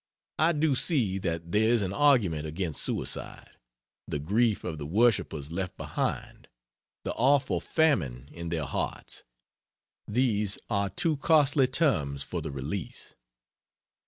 I do see that there is an argument against suicide: the grief of the worshipers left behind; the awful famine in their hearts, these are too costly terms for the release.